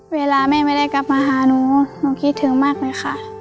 เวลาแม่ไม่ได้กลับมาหาหนูหนูคิดถึงมากเลยค่ะ